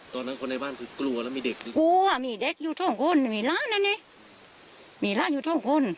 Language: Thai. ตอนนั้นคนในบ้านกลัวละมีเด็กกี่ครูมีเด็กอยู่ท้องโค้นมีร้านอันนี้มีร้านอยู่ท้องข้น